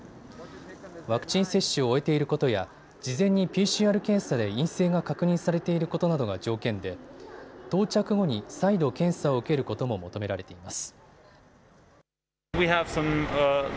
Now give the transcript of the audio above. ワクチン接種を終えていることや事前にＰＣＲ検査で陰性が確認されていることなどが条件で到着後に再度検査を受けることも求められています。